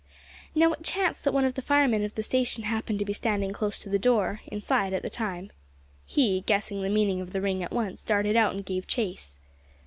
Now it chanced that one of the firemen of the station happened to be standing close to the door, inside, at the time. He, guessing the meaning of the ring at once, darted out and gave chase.